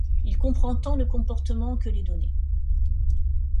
Il comprend tant le comportement que les données.